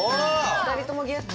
２人ともゲット！